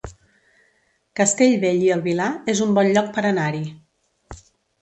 Castellbell i el Vilar es un bon lloc per anar-hi